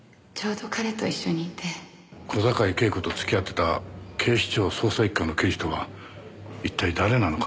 小坂井恵子と付き合ってた警視庁捜査一課の刑事とは一体誰なのか？